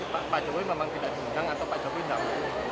pak jokowi memang tidak diundang atau pak jokowi tidak mau